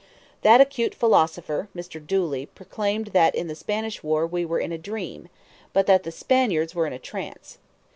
That acute philosopher Mr. Dooley proclaimed that in the Spanish War we were in a dream, but that the Spaniards were in a trance.